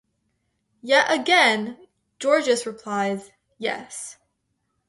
Yet again, Gorgias replies, yes.